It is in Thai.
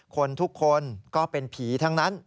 คนทุกคนก็เป็นผีทั้งนั้น